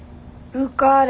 受かれ。